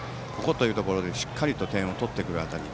というところでしっかり点を取ってくる辺り。